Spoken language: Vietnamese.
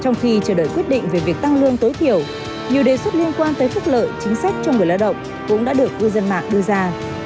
nhiều đề xuất liên quan tới phúc lợi chính sách cho người lao động cũng đã được ưu dân mạc đưa ra